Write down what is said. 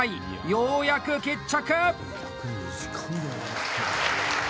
ようやく決着！